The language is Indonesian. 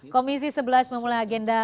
komisi sebelas memulai agenda